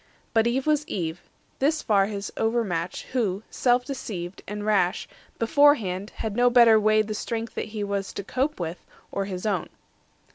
But Eve was Eve; This far his over match, who, self deceived And rash, beforehand had no better weighed The strength he was to cope with, or his own.